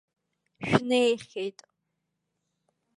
Шәнеихьеит?!